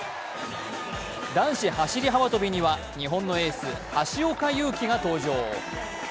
男子走り幅跳びには日本のエース橋岡優輝が登場。